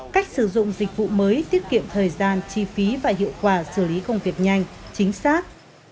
cách sử dụng dịch vụ mới tiết kiệm thời gian chi phí và hiệu quả xử lý công việc nhanh chính xác